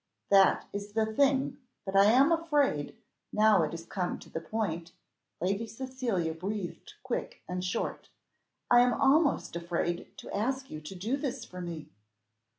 "That is the thing; but I am afraid, now it is come to the point." Lady Cecilia breathed quick and short. "I am almost afraid to ask you to do this for me."